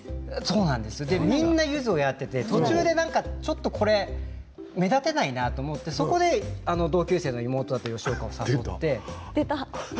みんなゆずをやっていて途中でちょっとこれ目立てないなと思ってそこで同級生の妹である出た。